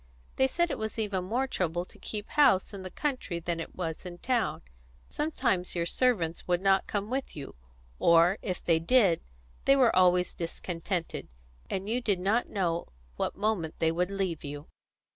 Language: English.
They said it was even more trouble to keep house in the country than it was in town; sometimes your servants would not come with you; or, if they did, they were always discontented, and you did not know what moment they would leave you.